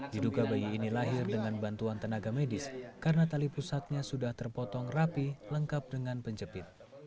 diduga bayi ini lahir dengan bantuan tenaga medis karena tali pusatnya sudah terpotong rapi lengkap dengan penjepit